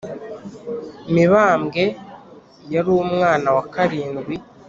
mibambwe yarumwana wa karindwi